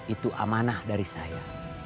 itu amanah dari saya